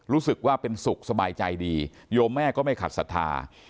รู้สึกว่าเป็นสุขสบายใจดีโยมแม่ก็ไม่ขัดศรัทธา